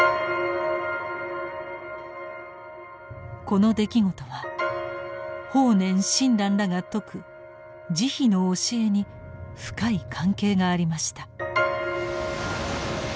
この出来事は法然・親鸞らが説く「慈悲」の教えに深い関係がありました。